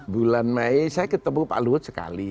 bulan mei saya ketemu pak luhut sekali